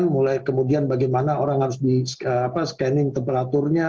mulai kemudian bagaimana orang harus di scanning temperaturnya